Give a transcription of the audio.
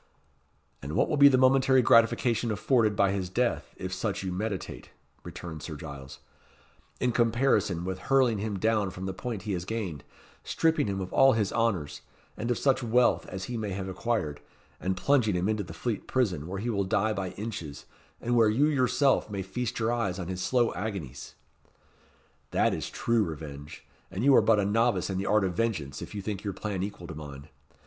"And what will be the momentary gratification afforded by his death if such you meditate," returned Sir Giles, "in comparison with hurling him down from the point he has gained, stripping him of all his honours, and of such wealth as he may have acquired, and plunging him into the Fleet Prison, where he will die by inches, and where you yourself may feast your eyes on his slow agonies? That is true revenge; and you are but a novice in the art of vengeance if you think your plan equal to mine.